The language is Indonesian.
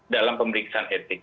dalam pemeriksaan etik